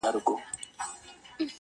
داسي څانګه به له کومه څوک پیدا کړي!!